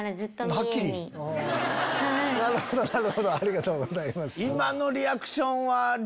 なるほどなるほどありがとうございます。